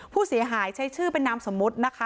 ผู้เสียหายใช้ชื่อเป็นนามสมมุตินะคะ